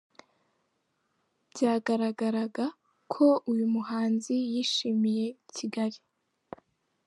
Byagaragaraga ko uyu muhanzi yishimiye Kigali.